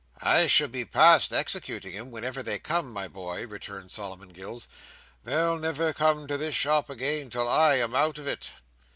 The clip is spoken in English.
"I shall be past executing 'em, whenever they come, my boy," returned Solomon Gills. "They'll never come to this shop again, till I am out of t."